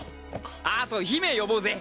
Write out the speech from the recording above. あと姫呼ぼうぜ！